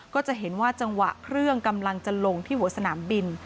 ก็จะเห็นว่าจังหวะเครื่องกำลังจะลงที่หัวสนามบิน